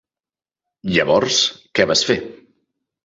Llavors, què vas fer?